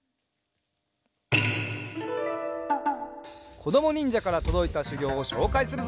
こどもにんじゃからとどいたしゅぎょうをしょうかいするぞ。